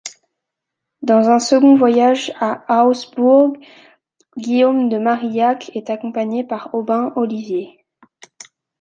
Dans un second voyage à Augsbourg, Guillaume de Marillac est accompagné par Aubin Olivier.